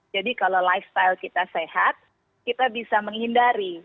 jadi kalau lifestyle kita sehat kita bisa menghindari